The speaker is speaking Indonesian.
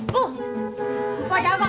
bumpa jawab ah